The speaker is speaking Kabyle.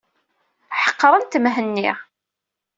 Ḥeqrent Mhenni.